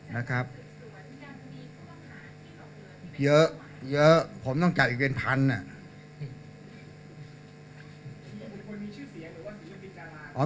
เยอะผมต้องจับอีกเป็นพันธุ์